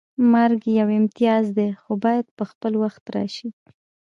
مرګ یو امتیاز دی خو باید په خپل وخت راشي